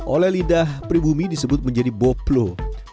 oleh lidah pribumi disebut menjadi boplo